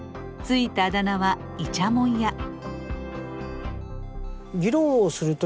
ついたあだ名はいちゃもんや。